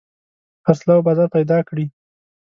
د خرڅلاو بازار پيدا کړي.